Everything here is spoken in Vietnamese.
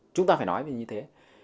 chúng ta phải nói như thế